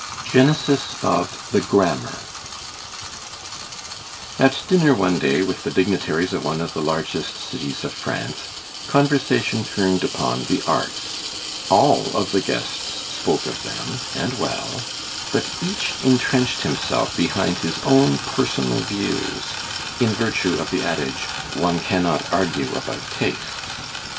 GENESIS OF THE 'GRAMMAR' At dinner one day with the dignitaries of one of the largest cities of France, conversation turned upon the arts. All of the guests spoke of them, and well; but each intrenched himself behind his own personal views, in virtue of the adage "One cannot argue about tastes."